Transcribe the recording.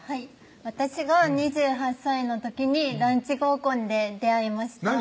私が２８歳の時にランチ合コンで出会いました何？